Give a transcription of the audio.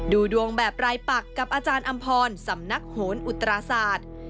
ดูดวงแบบรายปักกับอาจารย์อำพรสำนักโหนอุตราศาสตร์